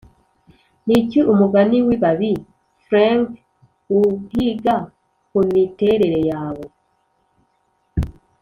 niki umugani wibabi-fring'd uhiga kumiterere yawe